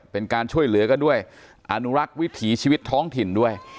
เป็นการช่วยเหลือกันด้วยอนุรักษ์วิถีชีวิตท้องถิ่นด้วย